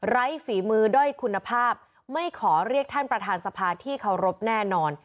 ฝีมือด้อยคุณภาพไม่ขอเรียกท่านประธานสภาที่เคารพแน่นอน